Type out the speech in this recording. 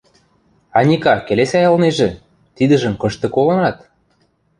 – Аника, келесай ылнежӹ: тидӹжӹм кышты колынат?